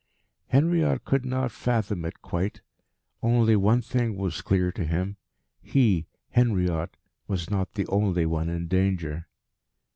Henriot could not fathom it quite. Only one thing was clear to him. He, Henriot, was not the only one in danger.